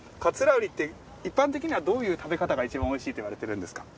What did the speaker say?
うりって一般的にはどういう食べ方が一番おいしいといわれているんですか？